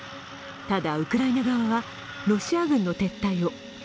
ただ、ウクライナ側はロシア軍の撤退を。